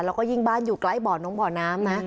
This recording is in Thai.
แล้วก็ยิ่งบ้านอยู่ใกล้บ่อน้องบ่อน้ำนะ